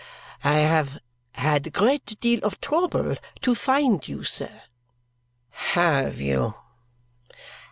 "I have had great deal of trouble to find you, sir." "HAVE you!"